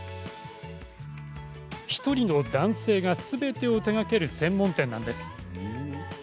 １人の男性がすべてを手がける専門店なんです。